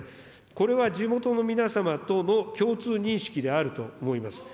これは地元の皆様との共通認識であると思います。